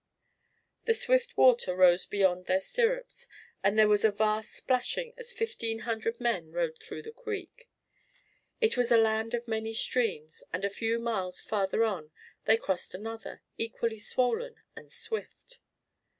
The swift water rose beyond their stirrups and there was a vast splashing as fifteen hundred men rode through the creek. It was a land of many streams, and a few miles farther on they crossed another, equally swollen and swift.